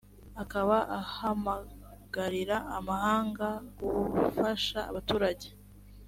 akaba ahamagarira amahanga gufasha abaturage